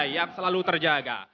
yang selalu terjaga